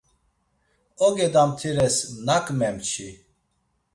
Oge damtires nak memçi!